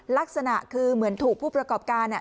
ลักษณะคือเหมือนถูกผู้ประกอบการ